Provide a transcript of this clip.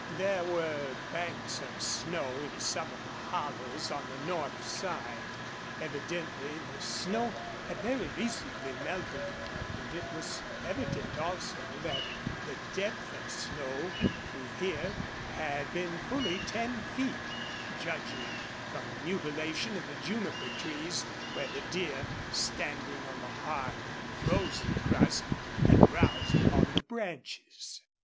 There were banks of snow in some of the hollows on the north side. Evidently the snow had very recently melted, and it was evident also that the depth of snow through here had been fully ten feet, judging from the mutilation of the juniper trees where the deer, standing on the hard, frozen crust, had browsed upon the branches.